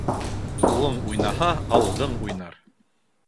Ҡулың уйнаһа, ауыҙың уйнар.